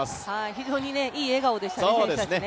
非常にいい笑顔でしたね、選手たち。